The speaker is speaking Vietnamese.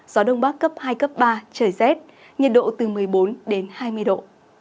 gió đông bắc cấp hai ba trời rét nhiệt độ từ một mươi bốn hai mươi độ